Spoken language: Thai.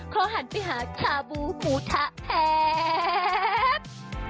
หันไปหาคาบูหมูทะแพท